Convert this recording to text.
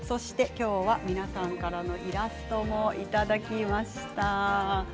皆さんからイラストもいただきました。